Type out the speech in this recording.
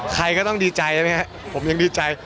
ใครก็ต้องดีใจนะครับผมยังดีใจ